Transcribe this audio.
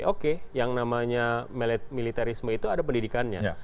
oke yang namanya militerisme itu ada pendidikannya